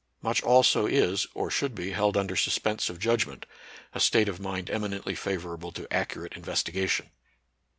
Much also is or should be held imder suspense of judgment, a state of mind emi nently favorable to accurate investigation.